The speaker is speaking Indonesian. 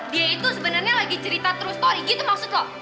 dia itu sebenarnya lagi cerita terus terus gitu maksud lo